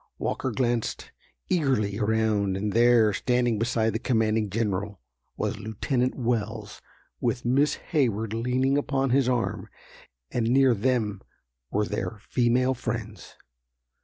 Walker glanced eagerly around, and there, standing beside the commanding General, was Lieutenant Wells, with Miss Hayward leaning upon his arm, and near them were their female friends.